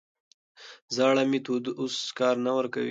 زاړه میتودونه اوس کار نه ورکوي.